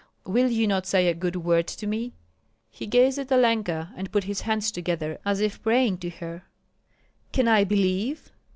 Will you not say a good word to me?" He gazed at Olenka and put his hands together as if praying to her. "Can I believe?"